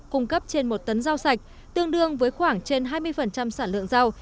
cung cấp trên một tấn rau sạch tương đương với khoảng trên hai mươi sản lượng rau